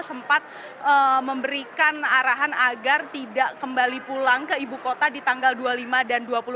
sempat memberikan arahan agar tidak kembali pulang ke ibu kota di tanggal dua puluh lima dan dua puluh tiga